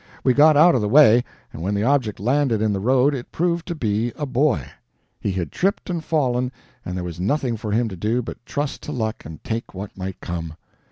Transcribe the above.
We got out of the way, and when the object landed in the road it proved to be a boy. He had tripped and fallen, and there was nothing for him to do but trust to luck and take what might come.